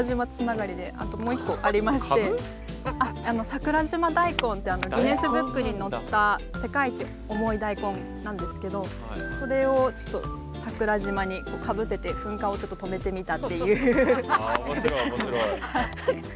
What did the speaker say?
桜島大根ってギネスブックに載った世界一重い大根なんですけどそれをちょっと桜島にかぶせて噴火をちょっと止めてみたっていう。